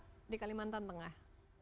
dari kalimantan tengah